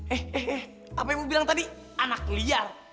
eh eh eh apa ibu bilang tadi anak liar